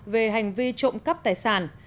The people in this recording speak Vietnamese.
về hành vi trộm cắp tài sản